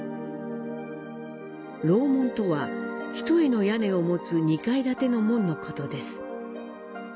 楼門とは、一重の屋根を持つ２階建ての門のことです。